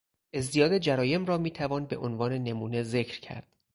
ازدیاد جرایم را میتوان به عنوان نمونه ذکر کرد.